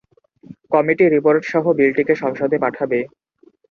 Committee রিপোর্টসহ বিলটিকে সংসদে পাঠাবে।